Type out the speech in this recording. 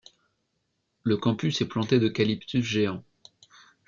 Le campus est planté d'eucalyptus géants.